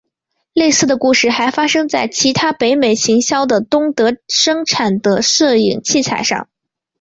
类似的故事还发生在其他北美行销的东德生产的摄影器材上。